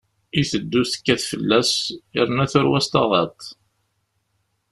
Iteddu tekkat fell-as, yerna turew-as taɣaṭ.